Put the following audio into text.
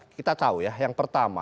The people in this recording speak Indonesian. kita tahu ya yang pertama